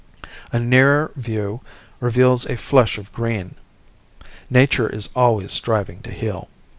A nearer view reveals a flush of green; nature is already striving to heal.